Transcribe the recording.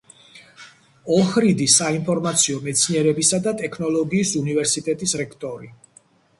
ოჰრიდის საინფორმაციო მეცნიერებისა და ტექნოლოგიის უნივერსიტეტის რექტორი.